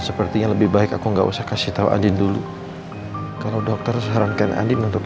sepertinya lebih baik aku nggak usah kasih tahu adin dulu kalau dokter sarankan adim untuk